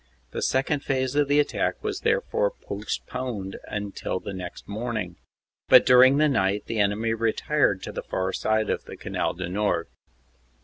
The second phase of the attack was therefore postponed until the next morning, but during the night the enemy retired to the far side of the Canal du Nord.